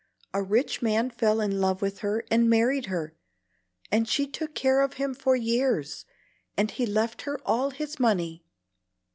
A rich man fell in love with her and married her, and she took care of him for years, and he left her all his money.